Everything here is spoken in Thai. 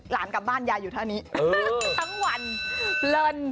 หลานกลับบ้านยายอยู่เท่านี้ทั้งวันเพลิน